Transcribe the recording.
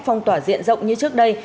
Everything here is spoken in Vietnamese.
phong tỏa diện rộng như trước đây